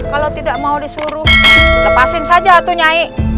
kalau tidak mau disuruh lepasin saja atuh nyai